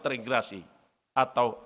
perjuang di papanan parah